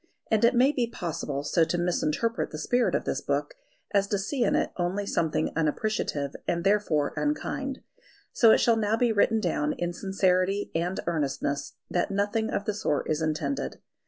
And it may be possible so to misinterpret the spirit of this book as to see in it only something unappreciative and therefore unkind. So it shall now be written down in sincerity and earnestness that nothing of the sort is intended.